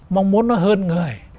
mong muốn nó hơn người